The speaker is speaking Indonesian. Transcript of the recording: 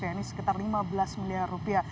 ya ini sekitar lima belas miliar rupiah